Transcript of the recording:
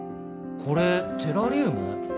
これテラリウム？